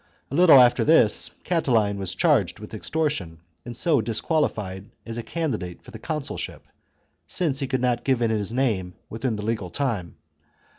A little after this, Catiline was charged with extortion, and so disquali fied as a candidate for the consulship [since he could not give in his name within the legal time].